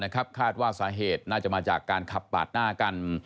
คาดว่าสาเหตุน่าจะมาจากการขับปาดหน้ากัน